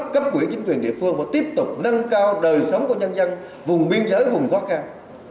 cấp quỹ chính quyền địa phương vẫn tiếp tục nâng cao đời sống của nhân dân vùng biên giới vùng khó khăn